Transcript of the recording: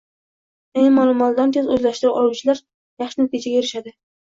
Yangi ma’lumotlarni tez o‘zlashtira oluvchilar yaxshi natijalarga erishadi.